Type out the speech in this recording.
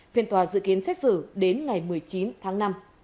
phiên tòa dự kiến xét xử đến ngày một mươi chín tháng năm